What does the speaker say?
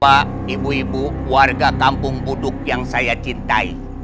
bapak ibu ibu warga kampung buduk yang saya cintai